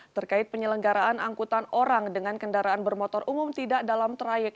terkait penyelenggaraan angkutan orang dengan kendaraan bermotor umum tidak dalam trayek